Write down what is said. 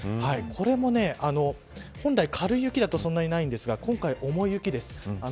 これも本来は軽い雪だとそんなにないんですが今回は重い雪です。